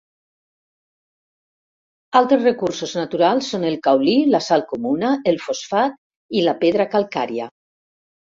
Altres recursos naturals són el caolí, la sal comuna, el fosfat i la pedra calcària.